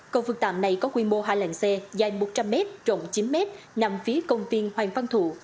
cầu phương tạm này có quy mô hai làng xe dài một trăm linh m rộng chín m nằm phía công viên hoàng văn thụ